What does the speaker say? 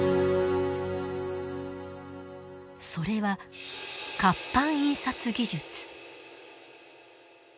それは活版印刷技術。